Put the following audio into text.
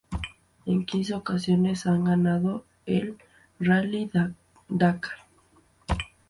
En quince ocasiones han ganado el Rally Dakar.